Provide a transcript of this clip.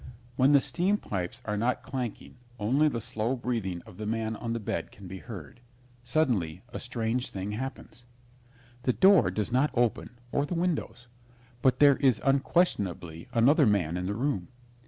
When the steam pipes are not clanking only the slow breathing of the man on the bed can be heard. Suddenly a strange thing happens. The door does not open or the windows, but there is unquestionably another man in the room.